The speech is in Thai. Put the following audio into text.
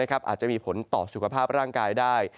อาจจะมีผลต่อสุขภาพร่างกายได้